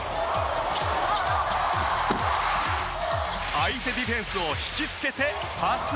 相手ディフェンスを引きつけてパス。